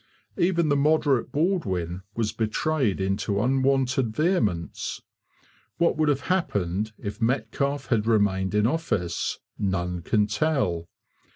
Even the moderate Baldwin was betrayed into unwonted vehemence. What would have happened, if Metcalfe had remained in office, none can tell.